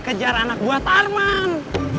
kejar anak gue tarman